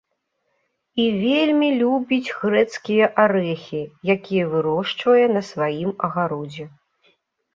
І вельмі любіць грэцкія арэхі, якія вырошчвае на сваім агародзе.